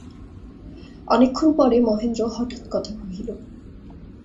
অনেকক্ষণ পরে মহেন্দ্র হঠাৎ কথা কহিল।